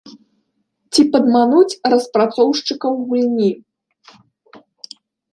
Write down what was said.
Ці падмануць распрацоўшчыкаў гульні.